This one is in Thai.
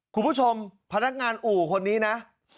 คุณผู้ชมพนักงานอู่ว์คนนี้นะ